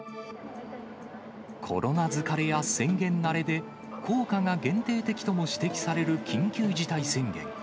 コロナ疲れや宣言慣れで、効果が限定的とも指摘される緊急事態宣言。